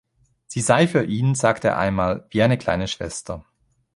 Sie sei für ihn, sagte er einmal, wie eine kleine Schwester.